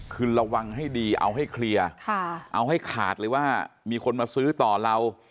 คือระวังให้ดีเอาให้เคลียร์เอาให้ขาดเลยว่ามีคนมาซื้อต่อเรา